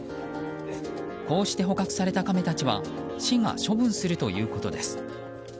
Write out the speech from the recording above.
こうして捕獲されたカメたちは市が処分するということです。